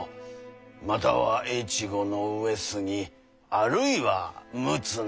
または越後の上杉あるいは陸奥の。